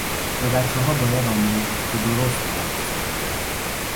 به بچهها باید آموخت که درست تلفظ بکنند.